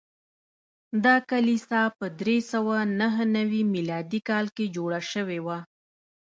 دا کلیسا په درې سوه نهه نوي میلادي کال کې جوړه شوې وه.